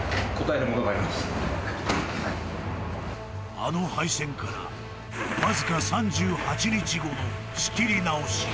［あの敗戦からわずか３８日後仕切り直し］